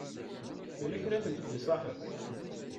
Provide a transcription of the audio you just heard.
Yella kra i tent-id-isaḥen?